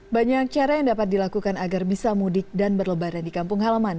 banyak cara yang dapat dilakukan agar bisa mudik dan berlebaran di kampung halaman